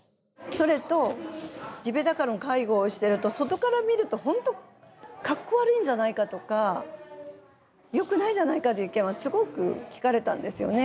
それと地べたからの介護をしてると外から見ると本当かっこ悪いんじゃないかとかよくないんじゃないかという意見はすごく聞かれたんですよね。